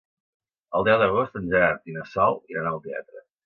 El deu d'agost en Gerard i na Sol iran al teatre.